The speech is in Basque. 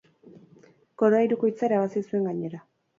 Koroa Hirukoitza irabazi zuen gainera.